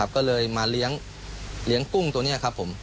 ก็เลยมาเลี้ยงกุ้งตัวนี้ครับผม